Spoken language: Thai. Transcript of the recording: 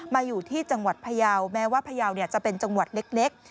อยู่ที่จังหวัดพยาวแม้ว่าพยาวจะเป็นจังหวัดเล็ก